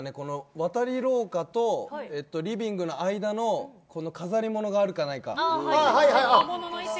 渡り廊下とリビングの間の飾りものがあるかないか。